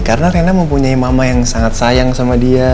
karena reina mempunyai mama yang sangat sayang sama dia